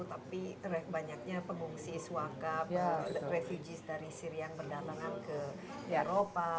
tapi banyaknya pengungsi iswaka refugees dari sirian berdatangan ke eropa